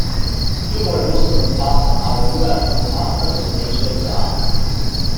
Wir wollen Russland als Partner, aber nur als ein Partner, der die Menschenrechte achtet.